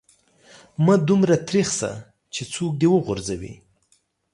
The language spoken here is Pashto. مه دومره تريخ سه چې څوک دي و غورځوي.